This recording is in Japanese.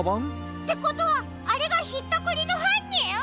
ってことはあれがひったくりのはんにん！？